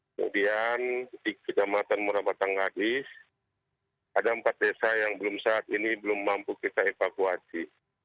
kemudian di kecamatan murabatang gadis ada empat desa yang belum saat ini belum mampu kita evakuasi